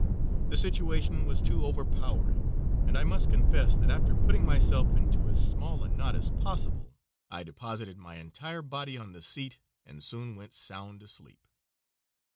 The situation was too overpowering, and I must confess that after putting myself into as small a knot as possible I deposited my entire body on the seat and soon went sound asleep.